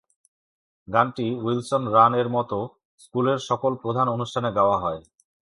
গানটি Wilson Run এর মতো স্কুলের সকল প্রধান অনুষ্ঠানে গাওয়া হয়।